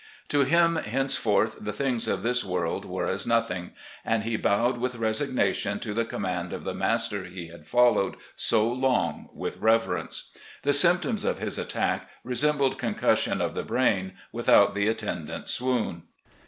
"To him henceforth the things of this world were as nothing, and he bowed with resignation to the com mand of the Master he had followed so long with reverence. The symptoms of his attack resembled concussion of the brain, without the attendant swoon.